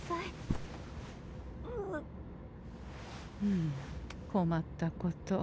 うむ困ったこと。